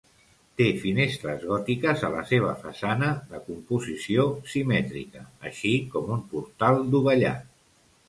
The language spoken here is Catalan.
Té finestres gòtiques a la seva façana, de composició simètrica, així com un portal dovellat.